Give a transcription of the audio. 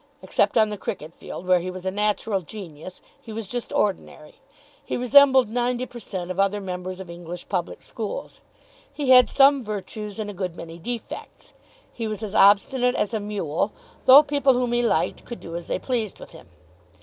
Except on the cricket field, where he was a natural genius, he was just ordinary. He resembled ninety per cent. of other members of English public schools. He had some virtues and a good many defects. He was as obstinate as a mule, though people whom he liked could do as they pleased with him.